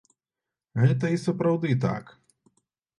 Гэта і сапраўды так.